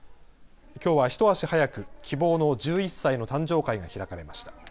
きょうは一足早くきぼうの１１歳の誕生会が開かれました。